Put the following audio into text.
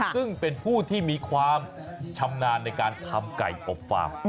ซึ่งเป็นผู้ที่มีความชำนาญในการทำไก่อบฟาง